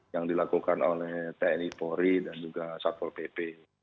yang dilakukan oleh tni polri dan juga satpol pp